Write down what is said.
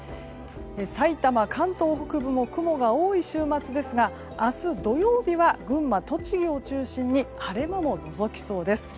さいたま、関東北部も雲が多い週末ですが明日土曜日は群馬、栃木を中心に晴れ間ものぞきそうです。